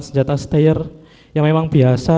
senjata stayer yang memang biasa